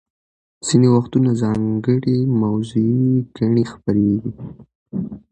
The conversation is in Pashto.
ځینې وختونه ځانګړې موضوعي ګڼې خپریږي.